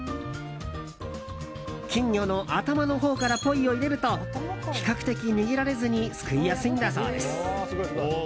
金魚の頭のほうからポイを入れると比較的逃げられずにすくいやすいんだそうです。